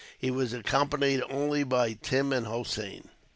He was accompanied only by Tim and Hossein.